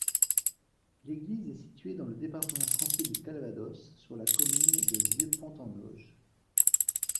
L'église est située dans le département français du Calvados, sur la commune de Vieux-Pont-en-Auge.